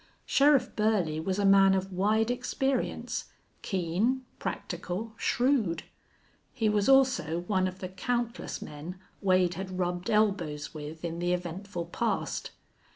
Sheriff Burley was a man of wide experience, keen, practical, shrewd. He was also one of the countless men Wade had rubbed elbows with in the eventful past.